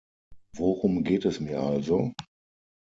Worum geht es mir also?